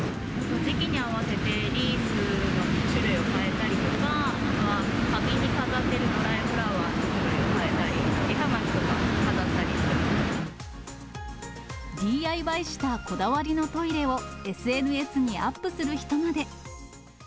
時期に合わせてリースの種類をかえたりとか、壁に飾ってるドライフラワーをかえたり、絵はがきとか飾ったりしＤＩＹしたこだわりのトイレをＳＮＳにアップする人まで。